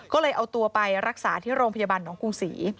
ก็เลยเอาตัวไปรักษาที่โรงพยาบาลหนองกรุงศรี